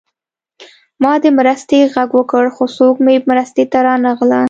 ما د مرستې غږ وکړ خو څوک مې مرستې ته رانغلل